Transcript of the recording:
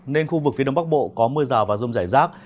nên khu vực phía đông bắc bộ có mưa rào và rông rải rác